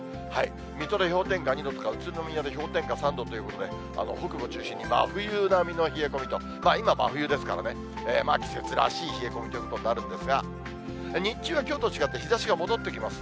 水戸で氷点下２度とか、宇都宮で氷点下３度ということで、北部中心に真冬並みの冷え込みと、今、真冬ですからね、季節らしい冷え込みということになるんですが、日中はきょうと違って、日ざしが戻ってきます。